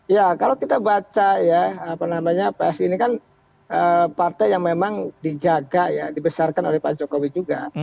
ya kalau kita baca ya apa namanya psi ini kan partai yang memang dijaga ya dibesarkan oleh pak jokowi juga